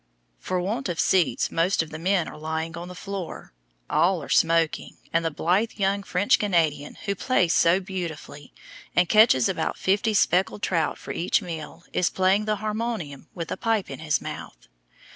For want of seats most of the men are lying on the floor; all are smoking, and the blithe young French Canadian who plays so beautifully, and catches about fifty speckled trout for each meal, is playing the harmonium with a pipe in his mouth.